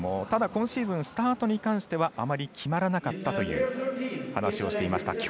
今シーズン、スタートに関してはあまり決まらなかったという話をしていました。